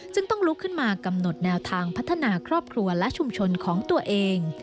ต้องลุกขึ้นมากำหนดแนวทางพัฒนาครอบครัวและชุมชนของตัวเอง